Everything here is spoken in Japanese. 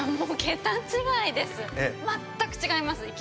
全く違います